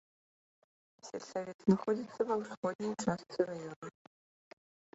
Сельсавет знаходзіцца ва ўсходняй частцы раёна.